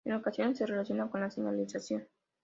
En ocasiones, se relaciona con la "señalización".